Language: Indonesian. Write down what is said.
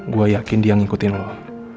gue yakin dia ngikutin allah